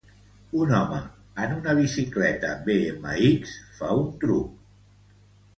Un home en una bicicleta BMX fa un truc.